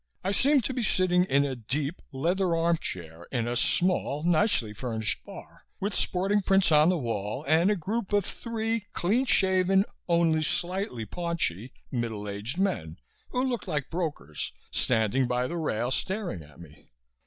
I seemed to be sitting in a deep, leather arm chair in a small, nicely furnished bar, with sporting prints on the wall and a group of three clean shaven, only slightly paunchy middle aged men, who looked like brokers, standing by the rail staring at me.